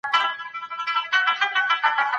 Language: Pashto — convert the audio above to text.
اسلام د عدالت غوښتنه کوي.